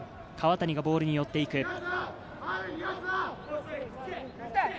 川谷がボールに寄っていく。